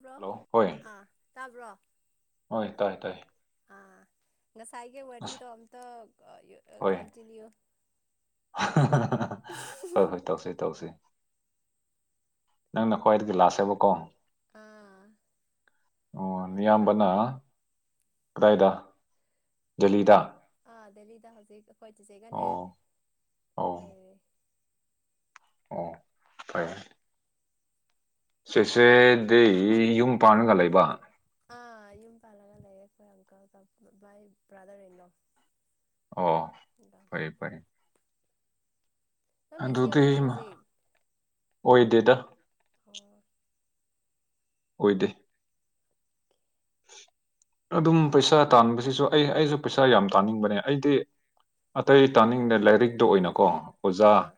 Bro hello ꯍꯣꯏ ꯑꯥ ꯇꯥꯕ꯭ꯔꯣ ꯍ ꯇꯥꯏ ꯇꯥꯏ ꯑꯥ ꯉꯁꯥꯏꯒꯤ ꯑꯁ ꯋꯥꯔꯤꯗꯣ ꯑꯝꯇ ꯍꯣꯏ ꯀꯟꯇꯤꯅꯤ꯭ꯌꯨ ꯍꯣꯏ ꯍꯣꯏ ꯇꯧꯁꯤ ꯇꯧꯁꯤ ꯅꯪꯅ ꯈ꯭ꯋꯥꯏꯗꯒꯤ ꯂꯁꯦꯕꯀꯣ ꯑꯥ ꯑꯣ ꯍꯣꯏ ꯌꯥꯝꯝꯕꯅ ꯀꯗꯥꯏꯗꯥ ꯑ ꯑꯥ ꯗꯦꯜꯂꯤꯗ ꯍꯧꯖꯤꯛ ꯑꯩꯈꯣꯏ ꯆꯤꯆꯦꯒꯅꯦ ꯑ ꯂꯩꯔꯦ ꯑꯣ ꯐꯔꯦ ꯁꯦꯆꯦꯗꯤ ꯌꯨꯝ ꯄꯥꯟꯒ ꯂꯩꯕ ꯑ ꯑꯨꯝ ꯄꯂꯒ ꯂꯩ ꯑꯪ ꯭ꯔꯗꯔ ꯏꯩꯅꯣ ꯑꯣ ꯐꯔꯦ ꯐꯔꯦ ꯅꯪ ꯕꯤꯖꯤ ꯑꯗꯨꯗꯤ ꯑꯣꯏꯕ꯭ꯔꯥ ꯍꯧꯖꯤꯛ ꯑꯣꯏꯗꯦꯗ ꯑꯣ ꯑꯣꯏꯗꯦ [unintelligible] ꯑꯗꯨꯝ ꯄꯩꯁꯥ ꯇꯥꯟꯕꯁꯤꯁꯨ ꯑꯩ ꯑꯩꯁꯨ ꯄꯩꯁꯥ ꯌꯥꯝ ꯇꯥꯅꯤꯡꯕꯅꯦ ꯑꯩꯗꯤ ꯑꯇꯩ ꯇꯥꯅꯤꯡꯗꯦ ꯂꯥꯏꯔꯤꯛꯇ ꯑꯣꯏꯅꯀꯣ ꯑꯣꯖꯥ ꯑꯥ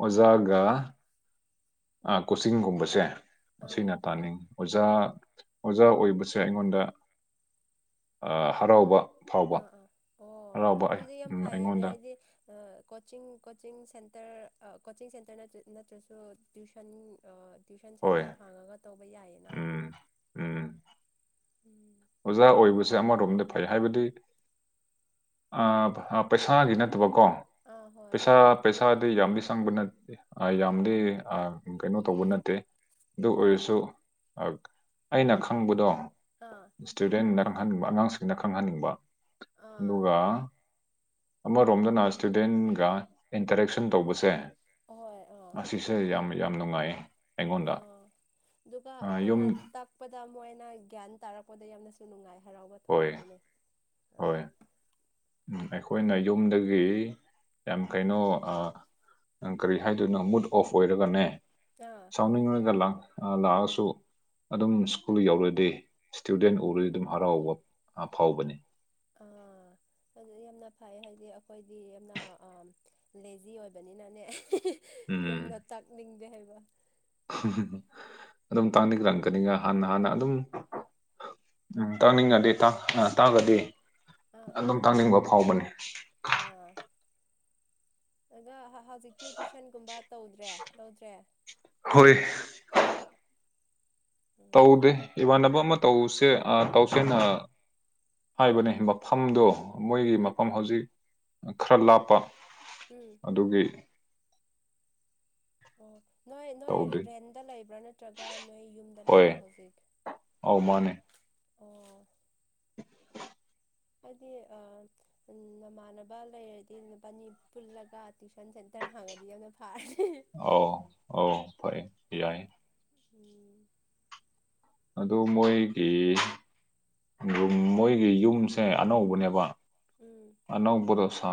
ꯑꯣꯖꯥꯒ ꯀꯣꯆꯤꯡꯒꯨꯝꯕꯁꯦ ꯑꯥ ꯑꯁꯤꯅ ꯇꯥꯅꯤꯡꯉꯤ ꯑꯣꯖꯥ ꯑꯣꯖꯥ ꯑꯣꯏꯕꯁꯦ ꯑꯩꯉꯣꯟꯗ ꯍꯔꯥꯎꯕ ꯐꯥꯎꯕ ꯑꯥ ꯑꯥ ꯑꯣ ꯍꯔꯥꯎꯕ ꯑꯩ ꯑꯗꯨꯗꯤ ꯌꯥꯝ ꯎꯝ ꯐꯩꯌꯦꯅꯦ ꯑꯩꯉꯣꯟꯗ ꯍꯥꯏꯗꯤ ꯀꯣꯆꯤꯡ ꯀꯣꯆꯤꯡ ꯔ ꯀꯣꯆꯤꯡ ꯁꯦꯟꯇꯔ ꯅꯠꯇ꯭ꯔꯁꯨ ꯇ꯭ꯌꯨꯁꯟ ꯇ꯭ꯋꯨꯤꯁꯟ ꯍꯣꯏ ꯁꯦꯟꯇꯔ ꯍꯥꯡꯉꯒ ꯇꯧꯕ ꯌꯥꯏꯌꯦꯅ ꯎꯝ ꯎꯝ ꯎꯝ ꯑꯣꯖꯥ ꯑꯣꯏꯕꯁꯦ ꯑꯃꯔꯣꯝꯗ ꯐꯩ ꯍꯥꯏꯕꯗꯤ ꯑ ꯄꯩꯁꯥꯒꯤ ꯅꯠꯇꯕ ꯀꯣ ꯑꯥ ꯍꯣꯏ ꯄꯩꯁꯥ ꯄꯩꯁꯥꯗꯤ ꯌꯥꯝꯗꯤ ꯁꯪꯕ ꯅꯠꯇꯦ ꯑ ꯌꯥꯝꯗꯤ ꯑ ꯀꯩꯅꯣ ꯇꯧꯕ ꯅꯠꯇꯦ ꯑꯗꯨ ꯑꯣꯏꯔꯁꯨ ꯑꯩꯅ ꯈꯪꯕꯗꯣ ꯑꯥ ꯏꯁꯇꯨꯗꯦ ꯅ ꯈꯪꯍꯟꯅꯤꯡꯕ ꯑꯉꯥꯡꯁꯤꯡꯅ ꯈꯪꯍꯟꯅꯤꯡꯕ ꯑꯥ ꯑꯗꯨꯒ ꯑꯃꯔꯣꯝꯗꯅ ꯏꯁꯇꯨꯗꯦꯟꯒ ꯏꯟꯇꯔꯦꯛꯁꯟ ꯇꯧꯕꯁꯦ ꯑꯍꯣꯏ ꯑꯁꯤꯁꯦ ꯌꯥꯝ ꯌꯥꯝ ꯅꯨꯡꯉꯥꯏꯌꯦ ꯑꯣ ꯑꯗꯨꯒ ꯌꯨꯝ ꯑꯩꯈꯣꯏꯅ ꯇꯛꯄꯗ ꯃꯣꯏꯅ ꯒ꯭ꯌꯥꯟ ꯇꯥꯔꯛꯄ ꯄꯗ ꯌꯥꯝꯅꯁꯨ ꯅꯨꯡꯉꯥꯏ ꯍꯔꯥꯎꯕ ꯍꯣꯏ ꯊꯣꯛꯄꯅꯤꯅꯦ ꯑ ꯍꯣꯏ ꯎꯝ ꯑꯩꯈꯣꯏꯅ ꯌꯨꯝꯗꯒꯤ ꯌꯥꯝ ꯀꯩꯅꯣ ꯑ ꯅꯪ ꯀꯔꯤ ꯍꯥꯏꯗꯣꯏꯅꯣ ꯃꯨꯠ ꯑꯣꯐ ꯑꯣꯏꯔꯒꯅꯦ ꯑꯥ ꯁꯥꯎꯅꯤꯡ ꯔꯒ ꯂ‌ꯥꯎ ꯂꯥꯛꯑꯁꯨ ꯑꯗꯨꯝ ꯁ꯭ꯀꯨꯜ ꯌꯧꯔꯗꯤ ꯏꯁꯇꯨꯗꯦꯟ ꯎꯔꯗꯤ ꯑꯗꯨꯝ ꯍꯔꯥꯎꯕ ꯑ ꯐꯥꯎꯕꯅꯤ ꯑꯥ ꯑꯗꯨ ꯌꯥꯝꯅ ꯐꯩ ꯍꯥꯏꯗꯤ ꯑꯩꯈꯣꯏꯗꯤ ꯌꯥꯝꯅ ꯂꯦꯖꯤ ꯑꯣꯏꯕꯅꯤꯅꯅꯦ ꯎꯝ ꯌꯥꯝꯅ ꯇꯥꯛꯅꯤꯡꯗꯦ ꯍꯥꯏꯕ ꯑꯗꯨꯝ ꯇꯥꯡꯅꯤꯡꯂꯛꯀꯅꯤꯒ ꯍꯥꯟꯅ ꯍꯥꯟꯅ ꯑꯗꯨꯝ ꯎꯝ ꯇꯥꯅꯤꯡꯉꯗꯤ ꯑ ꯇꯥꯛꯒꯗꯤ ꯑꯥ ꯑꯗꯨꯝ ꯇꯥꯛꯅꯤꯡꯕ ꯐꯥꯎꯕꯅꯤ ꯑꯗꯨꯒ ꯍꯧꯖꯤꯛꯇꯤ ꯇ꯭ꯨꯏꯁꯟꯒꯨꯝꯕ ꯇꯧꯗ꯭ꯔꯦ ꯂꯧꯗ꯭ꯔꯦ ꯍꯣꯏ ꯎꯝ ꯇꯧꯗꯦ ꯏꯃꯥꯟꯅꯕ ꯑꯃ ꯇꯧꯁꯦ ꯇꯧꯁꯦꯅ ꯍꯥꯏꯕꯅꯦ ꯃꯐꯝꯗꯣ ꯃꯣꯏꯒꯤ ꯎꯝ ꯃꯐꯝ ꯍꯧꯖꯤꯛ ꯈꯔ ꯂꯥꯞꯄ ꯎꯝ ꯑꯗꯨꯒꯤ ꯑꯣ ꯅꯣꯏ ꯅꯣꯏ ꯇꯧꯗ꯭ꯔꯤ ꯔꯦꯟꯗ ꯂꯩꯕ꯭ꯔꯥ ꯅꯠꯇ꯭ꯔꯒ ꯅꯣꯏ ꯌꯨꯝꯗ ꯂꯩꯕ꯭ꯔꯥ ꯍꯧꯖꯤꯛ ꯑꯣ ꯃꯅꯦ ꯑꯣ [unintelligible] ꯍꯥꯏꯗꯤ ꯑ ꯎ ꯅꯃꯥꯟꯅꯕ ꯂꯩꯔꯗꯤ ꯅꯕꯥꯅꯤ ꯄꯨꯜꯂꯒ ꯇꯨꯏꯁꯟ ꯁ‌ꯦꯟ ꯇꯔ ꯍꯥꯡꯉꯗꯤ ꯌꯥꯝꯅ ꯐꯥꯔꯦ ꯑꯥꯎ ꯑꯥꯎ ꯐꯩ ꯌꯥꯏ ꯎꯝ ꯑꯗꯨ ꯃꯣꯏꯒꯤ ꯑꯗꯨꯝ ꯃꯣꯏꯒꯤ ꯌꯨꯝꯁꯦ ꯑꯅꯧꯕꯅꯦꯕ ꯎꯝ ꯑꯅꯧꯕꯗꯣ ꯁꯥ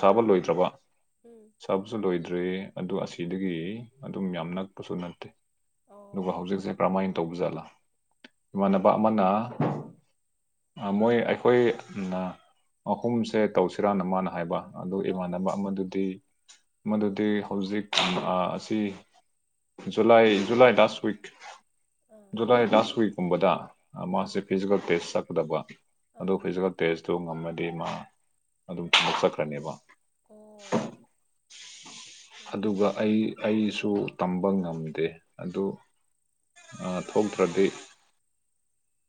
ꯁꯥꯕ ꯂꯣꯏꯗ꯭ꯔꯕ ꯎꯝ ꯁꯥꯕꯁꯨ ꯂꯣꯏꯗ ꯑꯗꯒꯤ ꯑꯗꯨ ꯑꯁꯤꯗꯒꯤ ꯑꯗꯨꯝ ꯌꯥꯝ ꯅꯛꯄꯁꯨ ꯅꯠꯇ‌ꯦ ꯑꯗꯨꯒ ꯑꯣ ꯍꯧꯖꯤꯁꯦ ꯀꯃꯥꯏꯟ ꯇꯧꯕ ꯖꯥꯠꯂꯥ ꯏꯃꯥꯟꯅꯕ ꯑꯃꯅ ꯃꯣꯏ ꯑꯩꯈꯣꯏ ꯑꯝ ꯑꯍꯨꯝꯁꯦ ꯇꯧꯁꯤꯔꯥ ꯅ ꯃꯥꯅ ꯍꯥꯏꯕ ꯑꯗꯨ ꯑꯥ ꯏꯃꯥꯟꯅꯕ ꯑꯃꯗꯨꯗꯤ ꯃꯗꯨꯗꯤ ꯍꯧꯖꯤꯛ ꯍꯧꯖꯤꯛ ꯑꯁꯤ ꯖꯨꯂꯥꯏ ꯖꯨꯂꯥꯏ ꯂꯥꯁ ꯋꯤꯛ ꯑꯥ ꯖꯨꯂꯥꯏ ꯂꯥꯁ ꯋꯤꯛꯀꯨꯝꯕꯗ ꯑꯥ ꯃꯥꯁꯦ ꯐꯤꯖꯤꯀꯦꯜ ꯇꯦꯁ ꯆꯠꯀꯗꯕ ꯑꯗꯨ ꯑꯥ ꯐꯤꯖꯤꯀꯦꯜ ꯇꯦꯁꯇꯨ ꯉꯝꯃꯗꯤ ꯃꯥ ꯑꯗꯨꯝ ꯊꯕꯛꯆꯠꯈ꯭ꯔꯅꯦꯕ ꯑꯣ ꯑꯣ ꯑꯗꯨꯒ ꯑꯣ ꯑꯩ ꯑꯩꯁꯨ ꯇꯝꯕ ꯉꯝꯗꯦ ꯑꯗꯨ ꯊꯣꯛꯇ꯭ꯔꯗꯤ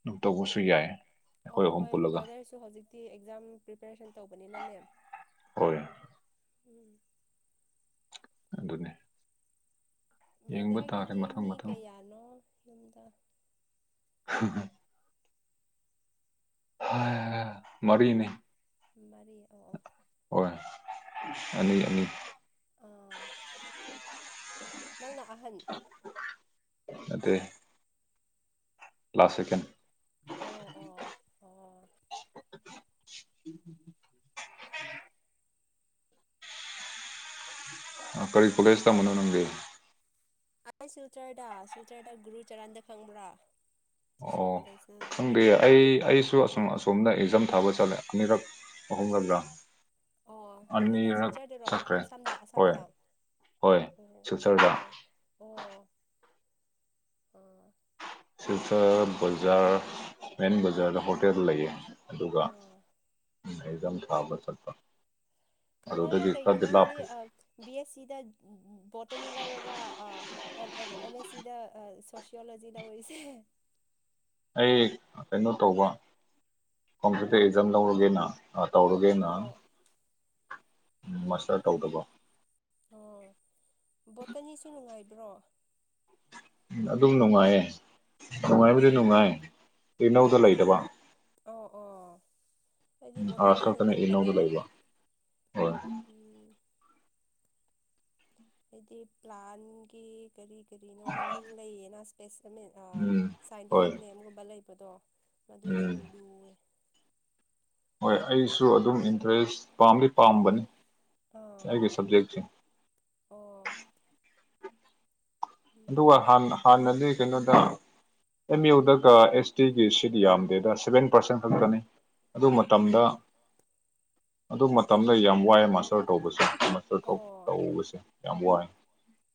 ꯗꯨꯝ ꯇꯧꯕꯁꯨ ꯌꯥꯏ ꯑꯩꯈꯣꯏ ꯑꯣ ꯑꯍꯨꯝ ꯍꯣꯏ ꯄꯨꯜꯂꯒ ꯕ꯭ꯔꯥꯗꯔꯁꯨ ꯍꯧꯖꯤꯛꯇꯤ ꯑꯦꯛꯖꯥꯝ ꯄ꯭ꯔꯤꯄꯦꯔꯦꯁꯟ ꯇꯧꯕꯅꯤꯅꯅꯦ ꯍꯣꯏ ꯎꯝ ꯑꯗꯨꯅꯦ ꯕ꯭ꯔꯗꯔꯒꯤꯗꯤ ꯃꯤ ꯃꯊꯪ ꯀꯌꯥꯅꯣ ꯌꯨꯝꯗ ꯎ ꯃꯔꯤꯅꯤ ꯃꯔꯤ ꯍꯣꯏ ꯑꯅꯤ ꯑꯅꯤ ꯑ ꯅꯪꯅ ꯑꯍꯟ ꯑ ꯂꯥꯁ ꯁꯦꯀꯦꯟ ꯎꯝ ꯑꯣ ꯑꯣ ꯑꯣ ꯑ ꯀꯔꯤ ꯐꯒꯁꯇ ꯃꯅ ꯅꯪꯒꯦ ꯑꯗꯦ ꯁꯤꯜꯆꯥꯥꯏꯗ ꯁꯤꯜꯆꯔꯗ ꯒꯨꯔꯨ ꯆꯔꯥꯟꯗ ꯈꯪꯕ꯭ꯔꯥ ꯖꯤ ꯁꯤ ꯑꯣ ꯀꯣꯂꯦꯖꯅ ꯈꯪꯗꯦ ꯍꯥꯏꯕꯗꯣ ꯑꯩ ꯑꯩꯁꯨ ꯑꯁꯨꯝ ꯑꯁꯣꯝꯅ ꯑꯦꯛꯖꯥꯝ ꯊꯕꯣ ꯆꯂꯦ ꯑꯃꯔꯛ ꯑꯍꯨꯝ ꯑꯣ ꯀꯥꯏꯗ ꯁꯤꯜꯆꯗꯔꯣ ꯑꯁꯝꯗ ꯍꯣꯏ ꯑꯁꯥꯝꯗ ꯑꯣ ꯍꯣꯏ ꯁꯤꯜꯆꯔꯗ ꯑꯣ ꯑꯣ ꯑꯣ ꯑ ꯍꯧ ꯕꯖꯥꯔ ꯃꯦꯟ ꯕꯖꯥꯔꯗ ꯍꯣꯇꯦꯜ ꯂꯩꯌꯦ ꯑꯗꯨꯒ ꯑꯥ ꯝ ꯊꯥꯕ ꯆꯛꯄ ꯑꯗꯨꯅ ꯀꯩꯒꯤꯅꯣ ꯍꯥꯏꯗꯤ ꯕꯤ ꯑꯦꯁ ꯁꯤꯗ ꯕꯣꯠꯇꯅꯤ ꯂꯧꯔꯒ ꯑꯦꯝ ꯑꯦꯁ ꯁꯤꯗ ꯁꯣꯁꯤꯌꯣꯂꯣꯖꯤꯗ ꯑꯣꯏꯔꯤꯁꯦ ꯑꯩ ꯀꯩꯅꯣ ꯇꯧꯕ ꯀꯝꯄꯤꯇꯤꯇꯤꯞ ꯑꯦꯛꯖꯥꯝ ꯂꯧꯔꯒꯦꯅ ꯑ ꯑꯣ ꯑꯣ ꯇꯧꯔꯒꯦꯅ ꯑꯣ ꯎꯝ ꯃꯁꯇꯔ ꯇꯧꯗꯕ ꯑꯣ ꯕꯣꯇꯅꯤꯁꯨ ꯅꯨꯡꯉꯥꯏꯕ꯭ꯔꯣ ꯑꯗꯨꯝ ꯅꯨꯡꯉꯥꯏꯌꯦ ꯅꯨꯡꯉꯥꯏꯕꯗꯤ ꯑꯣ ꯅꯨꯡꯉꯥꯏ ꯇꯅꯧꯗ ꯂꯩꯗꯕ ꯑꯣ ꯑꯣ ꯑꯩꯖꯤ ꯑꯥꯔꯠꯁ ꯕꯣꯇꯅꯤ ꯁꯦ ꯈꯛꯇꯅ ꯂꯨ ꯏꯒꯅꯧꯗ ꯅꯥꯝ ꯂꯩꯕ ꯍꯣꯏ ꯍꯥꯏꯗꯤ ꯄ꯭ꯂꯥꯟꯒꯤ ꯀꯔꯤ ꯀꯔꯤꯅꯣ ꯃꯃꯤꯡ ꯂꯩꯌꯦꯅ ꯏꯁꯄꯦꯁ ꯎꯝ ꯍꯣꯏ ꯁꯥꯏꯟꯇꯤꯐꯤꯛ ꯅꯦꯝꯒꯨꯝꯕ ꯂꯩꯕꯗꯣ ꯃꯗꯨ ꯎꯝ ꯌꯥꯝ ꯂꯨꯋꯦ ꯍꯣꯏ ꯑꯩꯁꯨ ꯑꯗꯨꯝ ꯏꯟꯇꯔꯦꯁ ꯄꯥꯝꯗꯤ ꯄꯥꯝꯕꯅꯤ ꯑꯥ ꯑꯩꯒꯤ ꯁꯕꯖꯦꯛꯁꯦ ꯑꯣ ꯎꯝ ꯑꯗꯨꯒ ꯍꯥꯟꯅꯗꯤ ꯀꯩꯅꯣꯗ ꯑꯦꯝ ꯌꯨꯗꯒ ꯑꯦꯁ ꯇꯤꯒꯤ ꯁꯤꯠ ꯌꯥꯝꯗꯦꯗ ꯁꯚꯦꯟ ꯄꯥꯔꯁꯦꯟ ꯈꯛꯇꯅꯤ ꯑꯗꯨ ꯃꯇꯝꯗ ꯑꯣ ꯑꯗꯨ ꯃꯇꯝꯗ ꯌꯥꯝ ꯋꯥꯏꯑ ꯃꯥꯁꯇꯔ ꯇꯧꯕꯁꯦ ꯃꯣꯊꯣꯛ ꯑꯣ ꯇꯧꯕꯁꯦ ꯌꯥꯝ ꯋꯥꯏ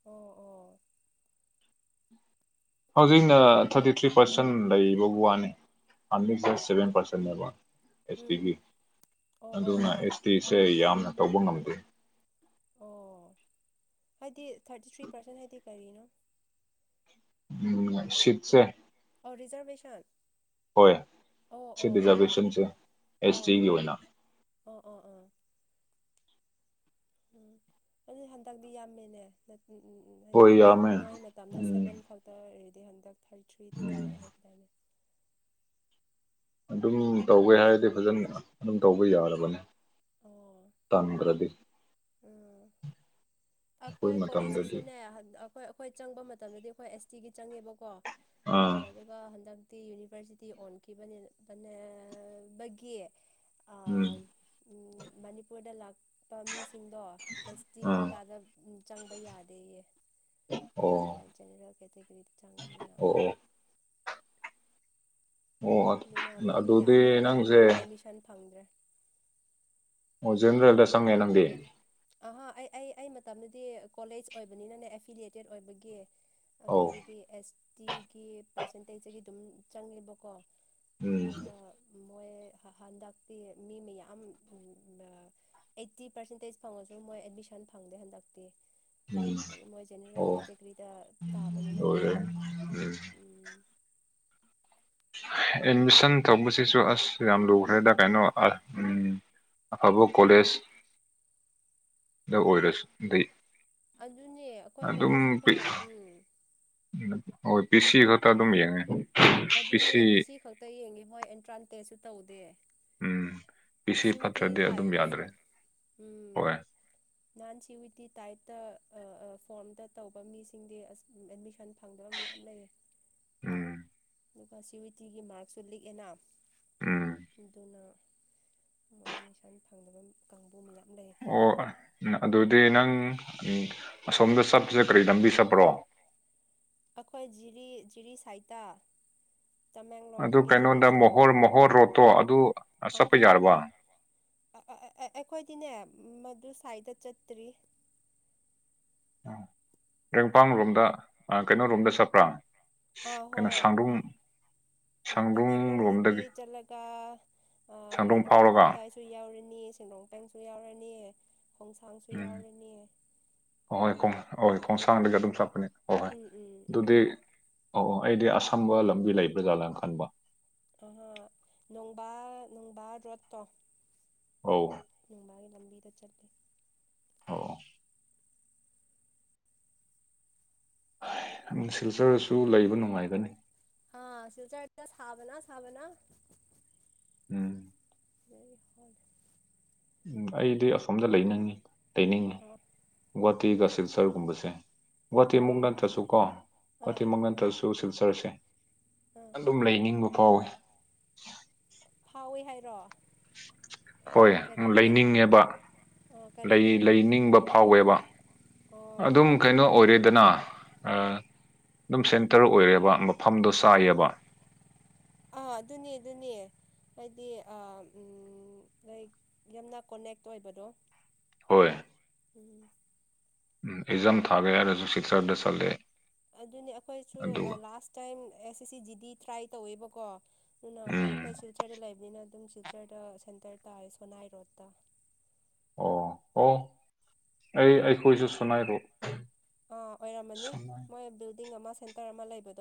ꯑꯣ ꯑꯣ ꯍꯧꯖꯤꯛꯅ ꯊꯥꯔꯇꯤ ꯊ꯭ꯔꯤ ꯄꯥꯔꯁꯦꯟ ꯂꯩꯕꯕꯨ ꯋꯥꯅꯤ ꯑꯃꯤꯛ ꯁꯚꯦꯟ ꯄꯥꯔꯁꯦꯟꯅꯕ ꯑꯦꯁ ꯇꯤꯒꯤ ꯎꯝ ꯑꯣ ꯑꯣ ꯑꯗꯨꯅ ꯑꯣ ꯑꯦꯁ ꯇꯤꯁꯦ ꯌꯥꯝꯅ ꯇꯧꯕ ꯉꯝꯗꯦ ꯑꯣ ꯍꯥꯏꯗꯤ ꯊꯥꯔꯇꯤ ꯊ꯭ꯔꯤ ꯄꯥꯔꯁꯦꯟ ꯍꯥꯏꯗꯤ ꯀꯔꯤꯅꯣ ꯎꯝ ꯁꯤꯠꯁꯦ ꯔꯤꯖꯔꯚꯦꯁꯟ ꯍꯣꯏ ꯁꯤ ꯔꯤꯖꯥꯔꯕꯦꯁꯟꯁꯦ ꯑꯣ ꯑꯦꯁ ꯇꯤꯒꯤ ꯑꯣꯏꯅ ꯑꯣ ꯑꯣ ꯑꯣ ꯎꯝ ꯑꯗꯨ ꯍꯟꯗꯛꯇꯤ ꯌꯥꯝꯃꯤꯅꯦ ꯎꯝ ꯎꯝ ꯎꯝ ꯍꯣꯏ ꯍꯥꯏꯗꯤ ꯌꯥꯝꯃꯦ ꯅꯣꯏ ꯃꯇꯝꯗ ꯎꯝ ꯁꯚꯦꯟ ꯈꯛꯇ ꯑꯣꯏꯔꯗꯤ ꯍꯟꯗꯛ ꯐꯔꯤ ꯊ꯭ꯔꯤ ꯎꯝ ꯀꯥꯔꯦ ꯍꯥꯏꯒꯗꯥꯏꯅꯦ ꯑꯗꯨꯝ ꯇꯧꯒꯦ ꯍꯥꯏꯔꯗꯤ ꯐꯖꯅ ꯑꯗꯨꯝ ꯇꯧꯕ ꯌꯥꯔꯕꯅꯤ ꯑꯣ ꯇꯪꯕ꯭ꯔꯗꯤ ꯎꯝ ꯑꯩꯈꯣꯏ ꯀꯣꯂꯦꯖꯇꯁꯨꯅꯦ ꯑꯩꯈꯣꯏ ꯑꯩꯈꯣꯏ ꯆꯪꯕ ꯃꯇꯝꯗꯗꯤ ꯑꯩꯈꯣꯏ ꯑꯦꯁ ꯇꯤꯒꯤ ꯆꯪꯉꯦꯕꯀꯣ ꯑ ꯑꯥ ꯑꯗꯨꯒ ꯍꯟꯗꯛ ꯌꯨꯅꯤꯚꯔꯁꯤꯇꯤ ꯑꯣꯟꯈꯤꯕꯅꯤ ꯃ ꯕꯒꯤ ꯎꯝ ꯎ ꯃꯅꯤꯄꯨꯔꯗ ꯂꯥꯛꯄ ꯃꯤꯁꯤꯡꯗꯣ ꯑꯦꯁ ꯇꯤ ꯑꯥ ꯀꯣꯇꯥꯗ ꯎ ꯆꯪꯕ ꯌꯥꯗꯦꯌꯦ ꯑꯣ ꯃꯣꯏ ꯖꯦꯅꯔꯦꯜ ꯀꯦꯇꯒꯣꯔꯤꯗ ꯆꯪꯒꯅꯤꯅ ꯑꯣ ꯑꯣ ꯑꯣ ꯑꯗꯨꯅ ꯃꯤ ꯑꯗꯨꯗꯤ ꯃꯌꯥꯝ ꯍꯟꯗꯛ ꯅꯪꯁꯦ ꯑꯦꯗꯃꯤꯁꯟ ꯐꯪꯗ꯭ꯔꯦ ꯑꯣ ꯖꯅꯔꯦꯜꯗ ꯆꯪꯉꯦ ꯅꯪꯗꯤ ꯑ ꯑꯩ ꯑꯩ ꯑꯩ ꯃꯇꯝꯗꯨꯗꯤ ꯀꯣꯂꯦꯖ ꯑꯣꯏꯕꯅꯤꯅꯅꯦ ꯑꯦꯐꯤꯂꯤꯦꯇꯦꯠ ꯑꯣꯏꯕꯒꯤ ꯑꯧ ꯑꯩꯈꯣꯏꯒꯤꯗꯤ ꯑꯦꯁ ꯇꯤꯒꯤ ꯄꯥꯔꯁꯦꯟꯇꯦꯖꯇꯒꯤ ꯑꯗꯨꯝ ꯆꯪꯉꯦꯕꯀꯣ ꯎꯝ ꯑꯗꯨꯒ ꯃꯣꯏ ꯍꯟꯗꯛꯇꯤ ꯃꯤ ꯃꯌꯥꯝ ꯑꯩꯠꯇꯤ ꯄꯔꯦꯟꯇ ꯐꯪꯉꯁꯨ ꯃꯣꯏ ꯑꯦꯗꯃꯤꯁꯟ ꯐꯪꯗꯦ ꯍꯟꯗꯛꯇꯤ ꯍꯥꯏꯗꯤ ꯃꯣꯏ ꯖꯦꯅꯔꯦꯜ ꯎꯝ ꯀꯦꯇꯦꯒꯣꯔꯤꯗ ꯇꯥꯕꯅꯤꯅꯅꯦ ꯑꯣ ꯎꯝ ꯑꯦꯠꯃꯤꯁꯟ ꯇꯧꯕꯁꯤꯁꯨ ꯑꯁ ꯌꯥꯝ ꯂꯨꯈ꯭ꯔꯦꯗ ꯀꯩꯅꯣ ꯑ ꯑꯐꯕ ꯀꯣꯂꯦꯖ ꯗ ꯑꯣꯏꯔꯁꯨ ꯂꯩ ꯑꯗꯨꯅꯦ ꯑꯩꯈꯣꯏ ꯑꯗꯨꯝ ꯀꯣꯂꯦꯖ ꯑꯩꯈꯣꯏ ꯎꯝ ꯍꯣꯏ ꯄꯤꯁꯤ ꯈꯛꯇ ꯑꯗꯨꯝ ꯌꯦꯡꯉꯦ ꯑꯗꯨꯅꯦ ꯄꯤ ꯁꯤ ꯈꯛꯇ ꯌꯦꯡꯉꯦ ꯍꯣꯏ ꯑꯦꯟꯇ꯭ꯔꯥꯟ ꯇꯦꯁꯁꯨ ꯇꯧꯗꯦ ꯎꯝ ꯄꯤ ꯁꯤ ꯁꯤꯕꯨꯗꯤꯗꯤ ꯐꯠꯇ꯭ꯔꯗꯤ ꯊꯥꯏ ꯑꯗꯨꯝ ꯑꯗꯨꯁꯨ ꯌꯥꯗ꯭ꯔꯦ ꯎꯝ ꯍꯣꯏ ꯅꯍꯥꯟ ꯁꯤ ꯋꯤꯗꯤ ꯇꯥꯏꯠꯇꯇ ꯐꯣꯔꯝꯗ ꯇꯧꯕ ꯃꯤꯁꯤꯡꯗꯤ ꯑꯁ ꯑꯦꯗꯃꯤꯁꯟ ꯐꯪꯗꯕ ꯃꯤ ꯊꯝ ꯂꯩꯌꯦ ꯎꯝ ꯑꯗꯨꯒ ꯁꯤ ꯌꯨ ꯇꯤꯒꯤ ꯃꯥꯔꯛꯁꯨ ꯂꯤꯛꯑꯦꯅ ꯎꯝ ꯑꯗꯨꯅ ꯃꯣꯏ ꯅꯤ ꯏꯁꯥꯒꯤ ꯐꯪꯗꯗ ꯑꯣ ꯑꯗꯨ ꯗꯤ ꯅꯪ ꯑꯁꯣꯝꯗ ꯆꯠꯄꯁꯦ ꯀꯔꯤ ꯂꯝꯕꯤ ꯆꯠꯄ꯭ꯔꯣ ꯑꯩꯈꯣꯏ ꯖꯤꯔꯤ ꯖꯤꯔꯤ ꯁꯥꯏꯠꯇ ꯑꯗꯨ ꯇꯃꯦꯡꯂꯣꯡꯗꯒꯤ ꯖꯤꯔꯤ ꯀꯩꯅꯣꯗ ꯆꯠꯂꯅꯤ ꯃꯣꯍꯣꯔ ꯃꯣꯍꯣꯔ ꯔꯣꯠꯇꯣ ꯑꯗꯨ ꯆꯠꯄ ꯑꯍꯥ ꯌꯥꯔꯕ ꯑꯩꯈꯣꯏꯗꯤꯅꯦ ꯃꯗꯨ ꯁ꯭ꯥꯏꯗ ꯆꯠꯇ꯭ꯔꯤ ꯔꯦꯡꯄꯡ ꯔꯣꯝꯗ ꯀꯩꯅꯣ ꯔꯣꯝꯗ ꯆꯠꯄ꯭ꯔꯥ ꯑꯥ ꯀꯩꯅꯣ ꯍꯣꯏ ꯁꯥꯡꯗ꯭ꯔꯝ ꯇꯃꯦꯡꯂꯣꯡꯗꯒꯤ ꯆꯠꯂꯒ ꯁꯥꯡꯗ꯭ꯔꯨꯡ ꯀꯩꯅꯣ ꯐꯥꯎꯔꯒ ꯀꯩꯐꯨꯟꯗꯥꯥꯏꯁꯨ ꯌꯥꯎꯔꯤꯅꯤ ꯅꯤ ꯁꯦꯟꯗꯣꯡ ꯇꯁꯨ ꯌꯥꯎꯔꯅꯤ ꯈꯣꯡꯁꯥꯡꯁꯨ ꯎꯝ ꯌꯥꯎꯔꯅꯤ ꯍ ꯍꯣꯏ ꯈꯣꯡꯁꯥꯡꯗꯒ ꯑꯗꯨꯝ ꯆꯠꯄꯅꯦ ꯍ ꯍꯣꯏ ꯎꯝ ꯎꯝ ꯎꯝ ꯑꯗꯨꯗꯤ ꯑꯣ ꯑꯣ ꯑꯩꯗꯤ ꯑꯁꯥꯝ ꯊꯝꯕ ꯂꯝꯕꯤ ꯂꯩꯕ꯭ꯔꯥꯖꯥꯠꯂꯥꯅ ꯈꯟꯕ ꯑ ꯅꯣꯡꯕꯥ ꯅꯣꯡꯕꯥ ꯔꯣꯗꯠꯇꯣ ꯑꯧ ꯅꯨꯡꯕꯥꯒꯤ ꯂꯝꯕꯤꯗ ꯆꯠꯂꯦ ꯑꯣ ꯁꯤꯜꯆꯔꯁꯨ ꯂꯩꯕ ꯅꯨꯡꯉꯥꯏꯒꯅꯤ ꯍꯥꯥ ꯁꯤꯜꯆ ꯁꯥꯕꯅ ꯁꯥꯕꯅ ꯎꯝ ꯍ ꯎꯝ ꯑꯩꯗꯤ ꯑꯁꯣꯝꯗ ꯂꯩꯅꯤꯡꯏ ꯂꯩꯅꯤꯡꯉꯤ ꯑꯥ ꯅꯣꯏ ꯒꯨꯍꯥꯇꯤꯒꯁꯤꯜꯁꯔꯒꯨꯝꯕꯁꯦ ꯒꯨꯍꯥꯇꯤꯃꯨꯛ ꯑꯥ ꯅꯠꯇ꯭ꯔꯁꯨ ꯑꯥ ꯀꯣꯒꯨꯍꯥꯇꯤꯃꯨꯛ ꯅꯠꯇ꯭ꯔꯁꯨ ꯁꯤꯜꯆ ꯁꯔꯁꯦ ꯑꯥ ꯑꯗꯨꯝ ꯂꯩꯅꯤꯡꯕ ꯐꯥꯎꯋꯦ ꯑꯣꯏ ꯍꯥꯏꯔꯣ ꯍꯣꯏ ꯀꯔꯤꯒꯤ ꯂꯩꯅꯤꯡꯉꯦꯕ ꯑꯣ ꯀꯔꯤꯒꯤ ꯂꯩꯅꯤꯡꯕ ꯐꯥꯎꯋꯦꯕ ꯑꯣ ꯑꯗꯨꯝ ꯀꯩꯅꯣ ꯑꯣꯏꯔꯦꯗꯅ ꯑꯗꯨꯝ ꯁꯦꯟꯇꯔ ꯑꯣꯏꯔꯦꯕ ꯃꯐꯝꯗꯣ ꯆꯥꯏꯑꯕ ꯑ ꯑꯗꯨꯅꯤ ꯑꯗꯨꯅꯤ ꯍꯥꯏꯗꯤ ꯂ ꯌꯥꯝꯅ ꯀꯣꯅꯦꯛ ꯑꯣꯏꯕꯗꯣ ꯍꯣꯏ ꯎꯝ ꯎꯝ ꯏꯖꯝ ꯊꯥꯒꯦ ꯍꯥꯏꯔꯁꯨ ꯁꯤꯇꯔꯗ ꯆꯠꯂꯦ ꯑꯗꯨꯅꯤ ꯑꯩꯈꯣꯏꯁꯨ ꯑꯗꯨꯒ ꯂꯥꯁ ꯇꯥꯏꯝ ꯑꯦꯁ ꯑꯦ ꯁꯤ ꯖꯤꯗꯤ ꯇ꯭ꯔꯥꯏ ꯇꯧꯋꯦꯕꯀꯣ ꯑꯗꯨꯅ ꯑꯩꯈꯣꯏ ꯎꯝ ꯑꯩꯈꯣꯏꯁꯨꯆꯔ ꯂꯩꯕꯅꯤꯅ ꯑꯗꯨꯝ ꯇꯤꯆꯔꯗ ꯁꯦꯟꯇꯔ ꯇꯥꯔꯦ ꯁꯣꯅꯥꯏ ꯔꯣꯗꯠꯇ ꯑꯣ ꯑꯣ ꯑꯩ ꯑꯩꯈꯣꯏꯁꯨ ꯁꯨꯅꯥꯏꯔꯣ ꯑꯥ ꯑꯣꯏꯔꯝꯃꯅꯤ ꯃꯣꯏ ꯕꯤꯜꯗꯤꯡ ꯑꯃ ꯁꯦꯟꯇꯔ ꯑꯃ ꯂꯩꯕꯗ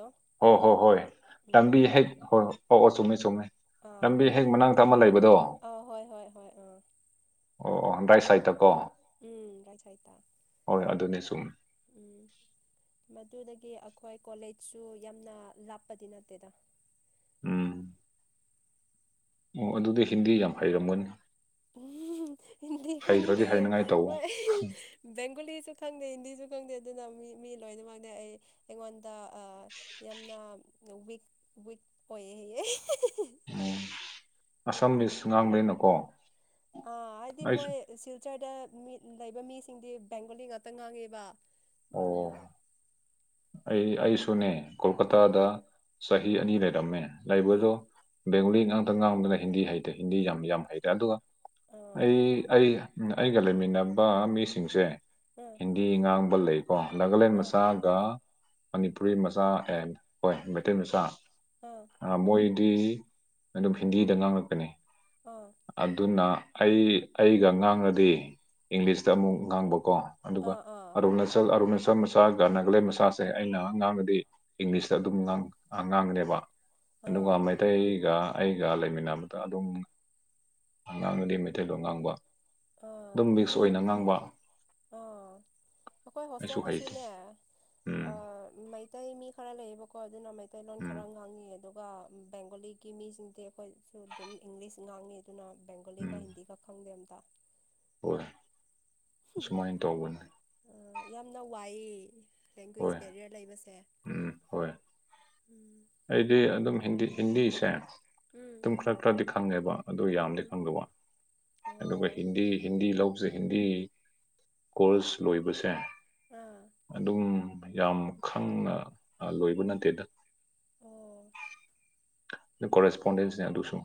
ꯍꯣꯏ ꯍꯣ ꯍꯣꯏ ꯂꯝꯕꯤ ꯍꯦꯛ ꯍꯣꯏ ꯑꯣ ꯆꯨꯝꯃꯦ ꯆꯨꯝꯃꯦ ꯑꯥ ꯂꯝꯕꯤ ꯍꯣꯏ ꯍꯦꯛ ꯃꯅꯥꯛꯛꯇ ꯑꯃ ꯂꯩꯕꯗꯣ ꯑ ꯄꯟ꯭ꯔꯥꯏꯁꯥꯏꯇꯀꯣ ꯁꯥꯏꯠꯇ ꯍꯣꯏ ꯑꯗꯨꯅꯦ ꯁꯨꯝ ꯎꯝ ꯃꯗꯨꯗꯒꯤ ꯑꯩꯈꯣꯏ ꯀꯣꯂꯦꯖꯁꯨ ꯌꯥꯝꯅ ꯂꯥꯞꯄꯗꯤ ꯅꯠꯇꯦꯗ ꯎꯝ ꯑꯣ ꯑꯗꯨꯗꯤ ꯍꯤꯟꯗꯤ ꯌꯥꯝ ꯍꯩꯔꯝꯃꯣꯏꯅꯤ ꯎꯝ ꯍꯤꯟꯗꯤ ꯈꯪꯗꯦ ꯍꯩꯅꯉꯥꯏ ꯇꯧꯋꯣ ꯍꯣꯏ ꯕꯦꯡꯒꯣꯂꯤꯁꯨ ꯈꯪꯗꯦ ꯍꯤꯟꯗꯤꯁꯨ ꯈꯪꯗꯦ ꯑꯗꯨꯅ ꯃꯤ ꯃꯤ ꯂꯣꯏꯅꯃꯗꯤ ꯑꯩ ꯑꯩꯉꯣꯟꯗ ꯌꯥꯝꯅ ꯋꯤꯛ ꯋꯤꯛ ꯑꯣꯏ ꯍꯦ ꯑꯁꯝꯕꯤ ꯁꯨ ꯉꯥꯡꯗꯅꯀꯣ ꯑꯥ ꯍꯥꯏꯗꯤ ꯃꯣꯏ ꯁꯤꯜꯆꯔꯗ ꯃꯤ ꯂꯩꯕ ꯃꯤꯁꯤꯡꯗꯤ ꯕꯦꯡꯒꯣꯂꯤ ꯉꯥꯛꯇ ꯉꯥꯡꯉꯦꯕ ꯑꯣ ꯑꯗꯨꯅ ꯑꯩ ꯑꯩꯁꯨꯅꯦ ꯎꯝ ꯀꯣꯜꯀꯇꯥꯗ ꯆꯍꯤ ꯑꯅꯤ ꯂꯩꯔꯝꯃꯦ ꯂꯩꯕꯗꯣ ꯎꯝ ꯕꯦꯡꯒꯣꯂꯤ ꯉꯥꯡꯇꯪ ꯉꯥꯡꯗꯅ ꯍꯤꯟꯗꯤ ꯍꯩꯇꯦ ꯍꯤꯟꯗꯤ ꯌꯥꯝ ꯌꯥꯝ ꯍꯩꯇꯦ ꯑꯗꯨꯒ ꯑ ꯑꯩ ꯑꯩ ꯑꯩꯒ ꯂꯩꯃꯤꯟꯅꯕ ꯃꯤꯁꯤꯡꯁꯦ ꯑ ꯍꯤꯟꯗꯤ ꯉꯥꯡꯕ ꯂꯩꯀꯣ ꯅꯥꯒꯥꯂꯦꯟ ꯑ ꯃꯆꯥꯒ ꯃꯅꯤꯄꯨꯔꯤ ꯃꯆꯥ ꯑꯦꯟ ꯍꯣꯏ ꯃꯩꯇꯩ ꯃꯆꯥ ꯑ ꯑ ꯃꯣꯏ ꯗꯤ ꯑꯗꯨꯝ ꯍꯤꯟꯗꯤꯗ ꯉꯥꯡꯉꯛꯀꯅꯤ ꯑꯗꯨꯅ ꯑꯩ ꯑꯩꯒ ꯉꯥꯡꯉꯗꯤ ꯏꯪꯂꯤꯁꯇ ꯑꯃꯨꯛ ꯉꯥꯡꯕꯀꯣ ꯑ ꯑ ꯑꯗꯨꯒ ꯑꯗꯣꯝꯅ ꯑꯔꯨꯅꯁꯔ ꯃꯆꯥ ꯒꯅꯥꯒꯂ ꯃꯁꯥꯁꯦ ꯑꯩꯅ ꯉꯥꯡꯉꯗꯤ ꯏꯪꯂꯤꯁꯇ ꯑꯗꯨꯝ ꯉꯥꯡꯉꯅꯦꯕ ꯑ ꯑꯗꯨꯒ ꯑꯥ ꯃꯩꯇꯩꯒ ꯑꯩꯒ ꯂꯩꯃꯤꯟꯅꯕꯗ ꯑꯗꯨꯝ ꯑꯉꯥꯡꯅꯗꯤ ꯃꯩꯇꯩꯗꯣ ꯉꯥꯡꯕ ꯑ ꯑꯗꯨꯝ ꯃꯤꯛꯁ ꯑꯗꯨꯈꯣꯏ ꯑꯣꯏꯅ ꯉꯥꯡꯕ ꯑ ꯑꯩꯈꯣꯏ ꯑꯩꯁꯨ ꯍꯩꯇꯦ ꯍꯣꯁꯇꯦꯜꯗꯁꯨꯅꯦ ꯎꯝ ꯃꯩꯇꯩ ꯃꯤ ꯈꯔ ꯂꯩꯌꯦꯕꯀꯣ ꯑꯗꯨꯅ ꯃꯩꯇꯩꯂꯣꯟ ꯈꯔ ꯎꯝ ꯉꯥꯡꯉꯤ ꯑꯗꯣ ꯑꯗꯨꯒ ꯕꯦꯡꯒꯣꯂꯤꯒꯤ ꯃꯤꯁꯤꯡꯗꯤ ꯑꯩꯈꯣꯏꯁꯨ ꯑꯗꯨꯝ ꯏꯪꯂꯤꯁ ꯉꯥꯡꯉꯤ ꯅ ꯦꯡꯒꯣꯂꯤ ꯀ ꯎꯝ ꯍꯤꯟꯗꯤ ꯀꯥ ꯈꯪꯗ ꯑꯁꯨꯃꯥꯏꯟ ꯇꯧꯕꯅꯦ꯫ ꯌꯥꯝꯅ ꯋꯥꯏꯌꯦ ꯂꯦꯡꯒ꯭ꯋꯦꯖ ꯍꯣꯏ ꯕꯦꯔꯤꯌꯔ ꯂꯩꯕꯁꯦ꯫ ꯎꯝ ꯍꯣꯏ꯫ ꯎꯝ ꯑꯩꯗꯤ ꯑꯗꯨꯝ ꯍꯤꯟꯗꯤ ꯍꯤꯟꯗꯤꯁꯦ ꯎꯝ ꯑꯗꯨꯝ ꯈꯔ ꯈꯔꯗꯤ ꯈꯪꯉꯦꯕ ꯑꯗꯨ ꯌꯥꯝꯗꯤ ꯎꯝ ꯈꯪꯗꯕꯋꯥꯅꯤ꯫ ꯑꯗꯨꯒ ꯑꯣ ꯍꯤꯟꯗꯤ-ꯍꯤꯟꯗꯤ ꯂꯧꯕꯖꯦ ꯍꯤꯟꯗꯤ ꯀꯣꯔ꯭ꯁ ꯂꯣꯏꯕꯁꯦ ꯑꯥ ꯑꯗꯨꯝ ꯌꯥꯝ ꯈꯪꯅ ꯂꯣꯏꯕ ꯅꯠꯇꯦꯗ꯫ ꯑꯣ ꯑꯗꯨ ꯀꯣꯔꯦꯁꯄꯣꯟꯗꯦꯟꯁꯅꯦ ꯑꯗꯨꯨꯁꯨ꯫